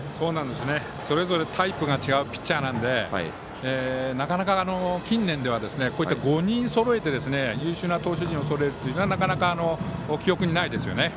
それぞれタイプが違うピッチャーなんでなかなか近年では５人優秀な投手陣をそろえるというのはなかなか、記憶にないですよね。